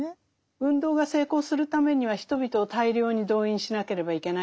運動が成功するためには人々を大量に動員しなければいけない